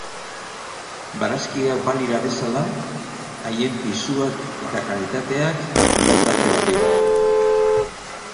Barazkiak balira bezala, haien pisuak eta kalitateak daukate balioa